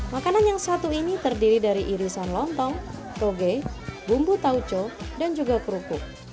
makanan yang satu ini terdiri dari irisan lontong toge bumbu tauco dan juga kerupuk